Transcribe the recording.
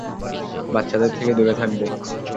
বাচ্চাদের থেকে দূরে থাকবে।